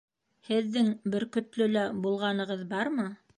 Һеҙҙең Бөркөтлөлә булғанығыҙ бармы?